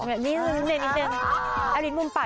แบบนี้แบบนี้มุมปัด